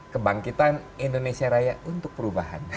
kebangkitan indonesia raya untuk perubahan